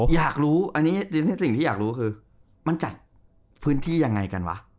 อยากรู้อันนี้สิ่งที่อยากรู้คือมันจัดพื้นที่ยังไงกันวะ